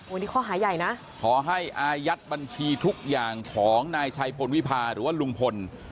อันนี้ข้อหาใหญ่นะขอให้อายัดบัญชีทุกอย่างของนายชัยพลวิพาหรือว่าลุงพล